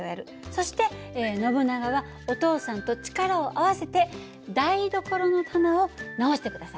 そしてノブナガはお父さんと力を合わせて台所の棚を直して下さい。